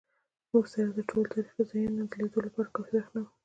موږ سره د ټولو تاریخي ځایونو د لیدو لپاره کافي وخت نه و.